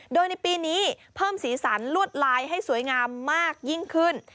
โดยในปีนี้เพิ่มสีสันลวดลายให้สวยงามมากยิ่งขึ้น